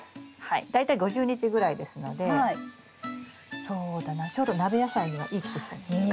大体５０日ぐらいですのでそうだなちょうど鍋野菜にはいい季節なんじゃないですか。